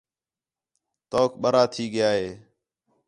توک بَرا تھئی ڳیا ہے